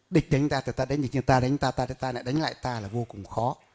địch đánh ta tự ta đánh địch tự ta đánh ta tự ta đánh lại ta là vô cùng khó